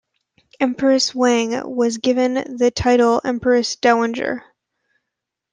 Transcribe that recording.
Empress Wang was given the title empress dowager.